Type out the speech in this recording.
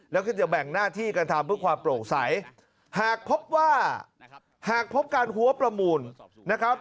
แล้วก็จะแบ่งหน้าที่การทำเพื่อความโปร่งใสหากพบว่าหากพบการหัวประมูลนะครับ